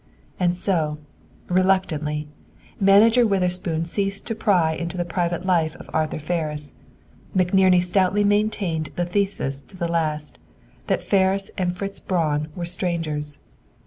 And so, reluctantly, Manager Witherspoon ceased to pry into the private life of Arthur Ferris. McNerney stoutly maintained the thesis to the last, that Ferris and Fritz Braun were strangers.